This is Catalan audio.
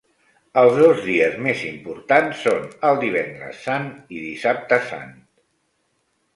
El dos dies més important són el Divendres Sant i Dissabte Sant.